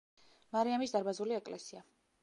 მარიამის დარბაზული ეკლესია.